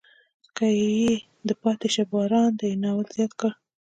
کې یې د پاتې شه باران دی ناول زیات کړ.